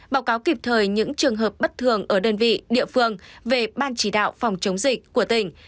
báo cáo kịp thời những trường hợp bất thường ở đơn vị địa phương về ban chỉ đạo phòng chống dịch của tỉnh